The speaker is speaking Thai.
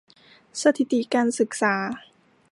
สถิติการศึกษา